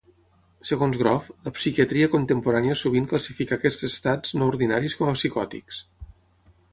Segons Grof, la psiquiatria contemporània sovint classifica aquests estats no ordinaris com a psicòtics.